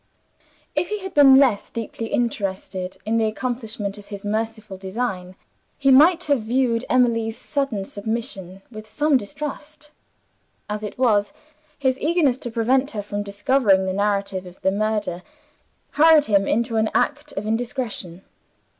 If he had been less deeply interested in the accomplishment of his merciful design, he might have viewed Emily's sudden submission with some distrust. As it was, his eagerness to prevent her from discovering the narrative of the murder hurried him into an act of indiscretion.